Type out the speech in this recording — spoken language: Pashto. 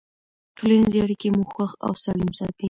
ټولنیزې اړیکې مو خوښ او سالم ساتي.